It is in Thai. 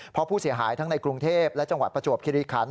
เพราะผู้เสียหายทั้งในกรุงเทพและจังหวัดประจวบคิริคัน